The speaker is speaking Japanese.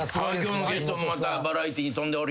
今日のゲストもまたバラエティーに富んでおりまして。